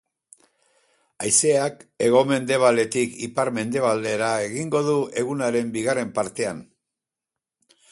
Haizeak hego-mendebaldetik ipar-mendebaldera egingo du egunaren bigarren partean.